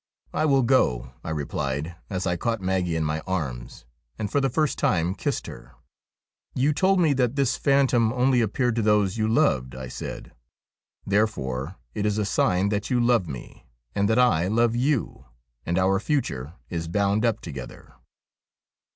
' I will go,' I replied, as I caught Maggie in my arms and for the first time kissed her. ' You told me that this phantom only appeared to those you loved,' I said. ' Therefore it is a sign that you love me, and that I love you, and our future is bound up together.'